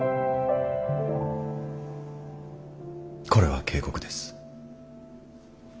これは警告です。